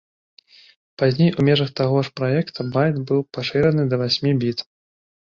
Пазней у межах таго ж праекта, байт быў пашыраны да васьмі біт.